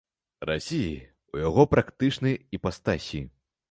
Расіі, у яго практычнай іпастасі.